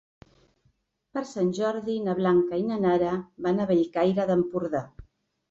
Per Sant Jordi na Blanca i na Nara van a Bellcaire d'Empordà.